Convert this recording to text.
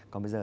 còn bây giờ